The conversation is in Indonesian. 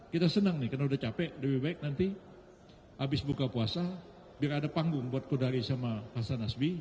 kita senang nih karena udah capek lebih baik nanti habis buka puasa biar ada panggung buat kodari sama hasan asbi